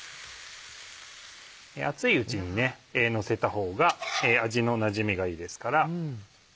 熱いうちにのせたほうが味のなじみがいいですから。